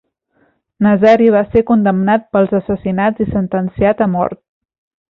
Nazari va ser condemnat pels assassinats i sentenciat a mort.